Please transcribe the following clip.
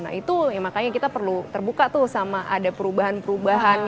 nah itu ya makanya kita perlu terbuka tuh sama ada perubahan perubahan